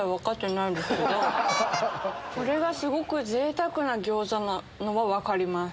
これがすごく贅沢な餃子なのは分かります。